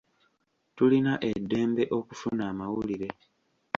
Tulina eddembe okufuna amawulire.